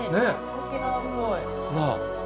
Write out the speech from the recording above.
沖縄っぽい。